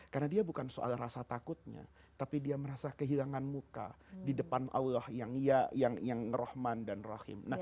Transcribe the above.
karena dia bukan soal rasa takutnya tapi dia merasa kehilangan muka di depan allah yang ia yang ngerohmati